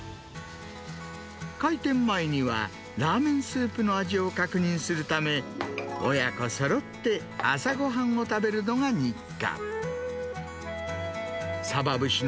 開店前には、ラーメンスープの味を確認するため、親子そろって朝ごはんを食べるのが日課。